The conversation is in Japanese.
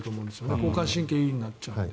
交感神経が優位になっちゃう。